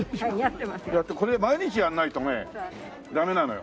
これ毎日やんないとねダメなのよ。